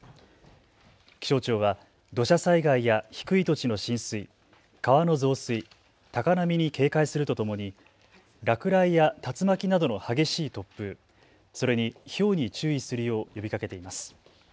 気象庁は土砂災害や低い土地の浸水、川の増水、高波に警戒するとともに落雷や竜巻などの激しい突風、それにひょうに注意するよう呼びかけています。